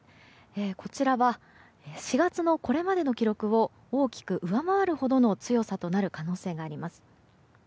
こちらは４月のこれまでの記録を大きく上回るほどの強さとなる可能性があります。